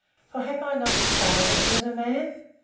for have I not a father who is a man?